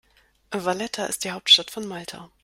Valletta ist die Hauptstadt von Malta.